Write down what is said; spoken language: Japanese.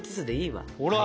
ほら！